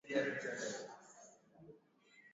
kiushindani zaidi kama marekani na nchi zingine